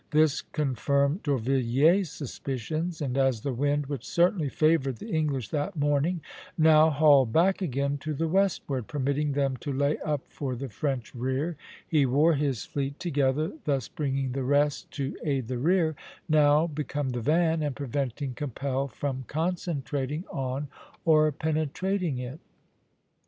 This confirmed D'Orvilliers' suspicions, and as the wind, which certainly favored the English that morning, now hauled back again to the westward, permitting them to lay up for the French rear, he wore his fleet together (B to C), thus bringing the rest to aid the rear, now become the van, and preventing Keppel from concentrating on or penetrating it.